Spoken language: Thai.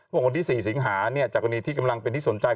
พวกคนที่๔สิงหาจากวันนี้ที่กำลังเป็นที่สนใจ